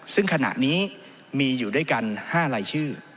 ซึ่งขณะนี้มีอยู่ด้วยกัน๕รายชื่อ